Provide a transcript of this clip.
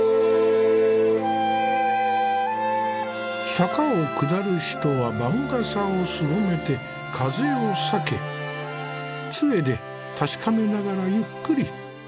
坂を下る人は番傘をすぼめて風を避けつえで確かめながらゆっくり歩いている。